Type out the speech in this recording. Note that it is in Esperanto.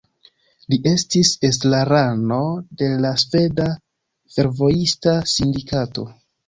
Li estis estrarano de la Sveda Fervojista Sindikato.